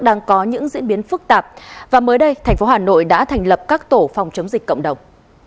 đang có những diễn biến phức tạp và mới đây thành phố hà nội đã thành lập các tổ phòng chống dịch cộng đồng